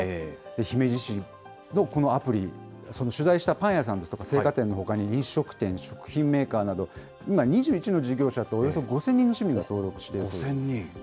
姫路市のこのアプリ、取材したパン屋さんですとか、青果店のほかに飲食店、食品メーカーなど、今、２１の事業者とおよそ５０００人の市民が登録しているということです。